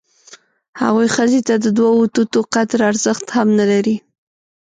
هغوی ښځې ته د دوه توتو قدر ارزښت هم نه لري.